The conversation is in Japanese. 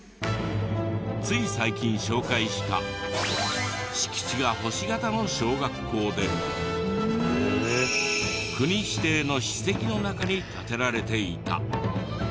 つい最近紹介した敷地が星形の小学校で国指定の史跡の中に建てられていた。